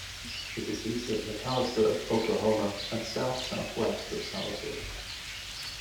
It is east of McAlester, Oklahoma and south southwest of Sallisaw.